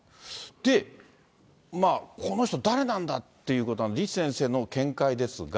で、この人、誰なんだということで、李先生の見解ですが。